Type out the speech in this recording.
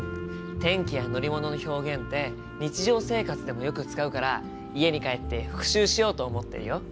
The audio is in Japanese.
天気や乗り物の表現って日常生活でもよく使うから家に帰って復習しようと思ってるよ。